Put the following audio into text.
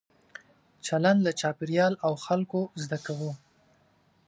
چلند له چاپېریال او خلکو زده کوو.